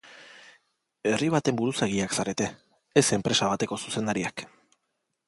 Herri baten buruzagiak zarete, ez enpresa bateko zuzendariak.